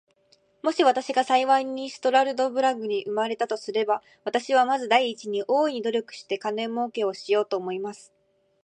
もし私が幸いにストラルドブラグに生れたとすれば、私はまず第一に、大いに努力して金もうけをしようと思います。